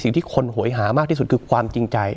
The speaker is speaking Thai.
สิ่งที่คนโหยหามากที่สุดคือความจริงใจ